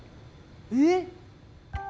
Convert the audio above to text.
えっ？